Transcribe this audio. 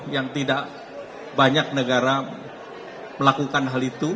yang tidak banyak negara melakukan hal itu